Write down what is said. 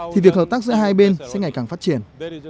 thì việc hợp tác giữa hai bên sẽ ngày càng phát triển